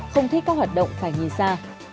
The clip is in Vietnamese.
không thích các hoạt động phải nhìn xa